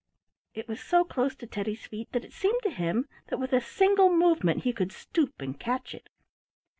It was so close to Teddy's feet that it seemed to him that with a single movement he could stoop and catch it.